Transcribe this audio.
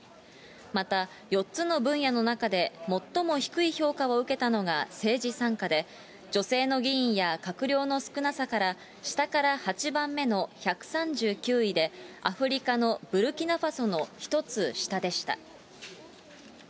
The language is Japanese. また４つの分野の中で最も低い評価を受けたのが政治参加で、女性の議員や閣僚の少なさから、下から８番目の１３９位で、アフリカのブルキナファソの１つ下でした。